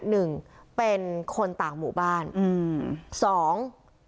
หนึ่งเป็นคนต่างหมู่บ้านอืมสอง